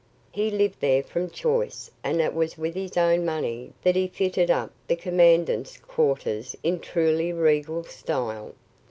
He lived there from choice and it was with his own money that he fitted up the commandant's quarters in truly regal style.